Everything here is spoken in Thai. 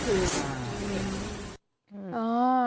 เออ